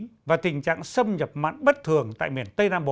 đại dịch covid một mươi chín và tình trạng xâm nhập mãn bất thường tại miền tây nam bộ